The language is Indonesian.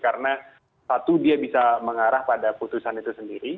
karena satu dia bisa mengarah pada putusan itu sendiri